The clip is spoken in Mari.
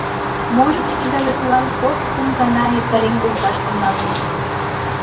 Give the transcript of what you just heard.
Можыч, идалыклан кок-кум гана эртарен колташ тӱҥалыт.